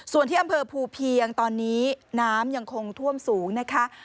ส่วนที่อำเภอภูเพียงตอนนี้น้ำยังคงท่วมสูงนะคะ